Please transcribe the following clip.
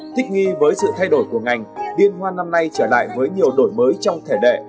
thích nghi với sự thay đổi của ngành liên hoan năm nay trở lại với nhiều đổi mới trong thể đệ